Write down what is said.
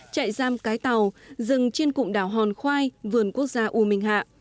chạy giam cái tàu rừng trên cụm đảo hòn khoai vườn quốc gia u minh hạ